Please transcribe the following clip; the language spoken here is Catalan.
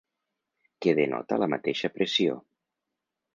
Que denota la mateixa pressió.